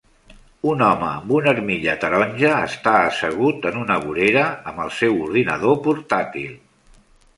Un home amb una armilla taronja està assegut en una vorera amb el seu ordinador portàtil.